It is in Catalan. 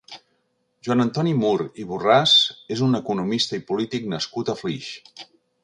Joan Antoni Mur i Borràs és un economista i polític nascut a Flix.